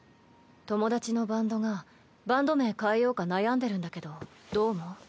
友達のバンドがバンド名変えようか悩んでるんだけどどう思う？